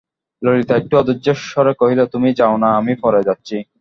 ললিতা একটু অধৈর্যের স্বরে কহিল, তুমি যাও-না, আমি পরে যাচ্ছি।